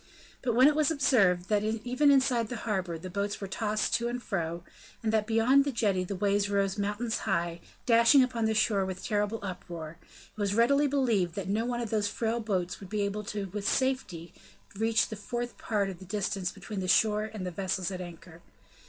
But when it was observed that even inside the harbor the boats were tossed to and fro, and that beyond the jetty the waves rose mountains high, dashing upon the shore with a terrible uproar, it was readily believed that not one of those frail boats would be able with safety to reach a fourth part of the distance between the shore and the vessels at anchor.